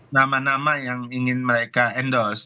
nama nama yang ingin mereka endorse